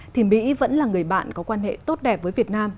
thì mỹ vẫn là người bạn có quan hệ tốt đẹp với việt nam